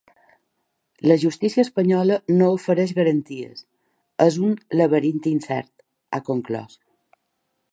La justícia espanyola no ofereix garanties, és un ‘laberint incert’, ha conclòs.